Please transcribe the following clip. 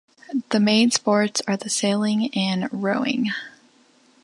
The main sports are the sailing and rowing.